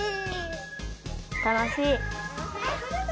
たのしい。